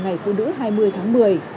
ngày phụ nữ hai mươi tháng một mươi